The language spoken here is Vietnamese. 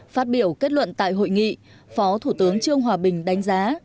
phát biểu kết luận tại hội nghị phó thủ tướng trương hòa bình đánh giá